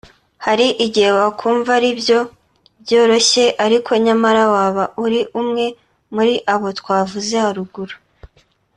Hari igihe wakumva aribyo byoroshye ariko nyamara waba uri umwe muri abo twavuze haruguru